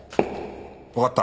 わかった。